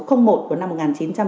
thông tư liên tịch số một